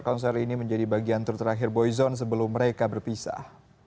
konser ini menjadi bagian tur terakhir boyzone sebelum mereka berpisah